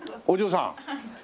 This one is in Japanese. お嬢さん？